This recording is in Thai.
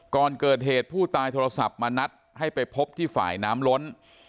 ก่อนเกิดเหตุผู้ตายโทรศัพท์มานัดให้ไปพบที่ฝ่ายน้ำล้น